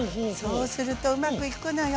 そうするとうまくいくのよ。